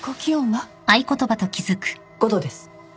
５℃です。